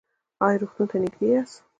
ایا روغتون ته نږدې یاست؟